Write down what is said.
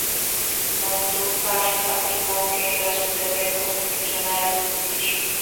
Montúfar afirmó que era su deber constitucional asistir.